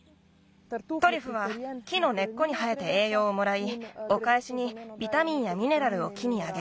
トリュフは木のねっこに生えてえいようをもらいおかえしにビタミンやミネラルを木にあげる。